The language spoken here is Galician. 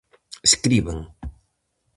Escriben.